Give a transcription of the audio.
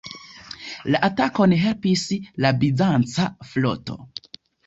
La atakon helpis la bizanca floto.